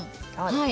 はい。